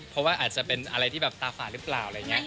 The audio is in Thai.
เพราะว่าอาจจะเป็นอะไรที่แบบตาฝาดหรือเปล่าอะไรอย่างนี้